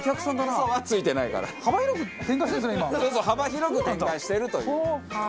そう幅広く展開してるという。